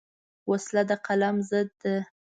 وسله د قلم ضد ده